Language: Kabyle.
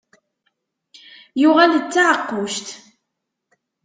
Yuɣal d taɛeqquct.